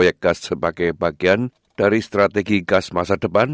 proyek gas sebagai bagian dari strategi gas masa depan